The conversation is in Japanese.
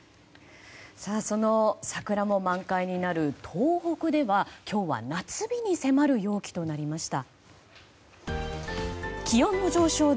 桜も満開になる東北では今日は夏日に迫る陽気となりました。